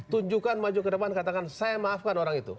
tunjukkan maju ke depan katakan saya maafkan orang itu